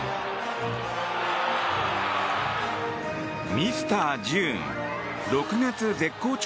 ミスター・ジューン６月絶好調